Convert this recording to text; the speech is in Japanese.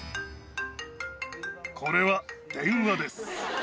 これは電話です。